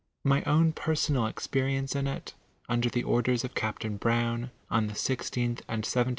My own personal experience in it, under the orders of Capt. Brown, on the 16th and 17tb.